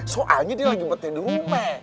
soalnya dia lagi mati di rumah